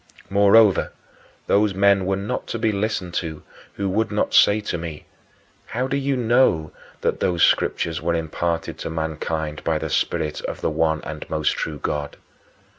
Moreover, those men were not to be listened to who would say to me, "How do you know that those Scriptures were imparted to mankind by the Spirit of the one and most true God?"